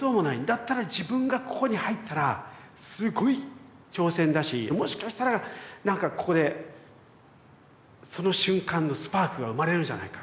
だったら自分がここに入ったらすごい挑戦だしもしかしたらなんかここでその瞬間のスパークが生まれるんじゃないか？